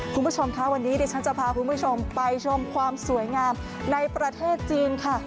คุณผู้ชมค่ะวันนี้ดิฉันจะพาคุณผู้ชมไปชมความสวยงามในประเทศจีนค่ะ